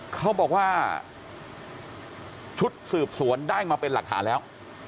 เขาบอกว่าชุดสืบสวนได้มาเป็นหลักฐานแล้ว